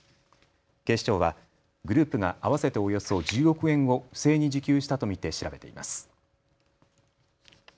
警視庁はグループが合わせておよそ１０億円を不正に受給したと見て調べています。